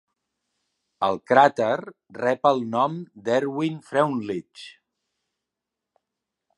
El cràter rep el nom d'Erwin Freundlich.